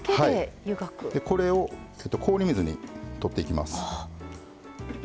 これを、氷水にとっていきます。